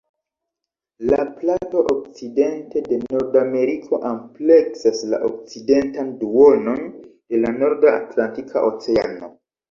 La plato okcidente de Nordameriko ampleksas la okcidentan duonon de la norda Atlantika Oceano.